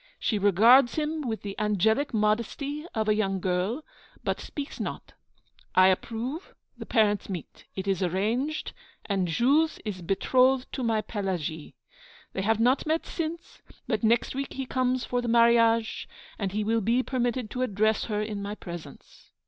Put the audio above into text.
She regards him with the angelic modesty of a young girl, but speaks not. I approve, the parents meet, it is arranged, and Jules is betrothed to my Pelagie. They have not met since; but next week he comes for the marriage, and he will be permitted to address her in my presence.